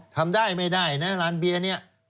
ทำได้ไม่ได้นะร้านเบียร์เนี่ย